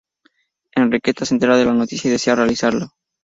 Enriqueta se entera de la noticia y desea realizarlo.